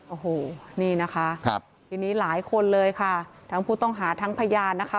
โอ้โหนี่นะคะครับทีนี้หลายคนเลยค่ะทั้งผู้ต้องหาทั้งพยานนะคะ